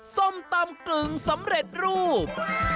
ส้มตำกึ่งสำเร็จรูป